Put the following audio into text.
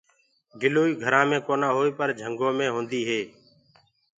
گِلوئي گهرآنٚ مي ڪونآ هوئي پر جھِنگو مي هوندي هونٚ۔